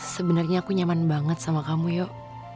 sebenernya aku nyaman banget sama kamu yoh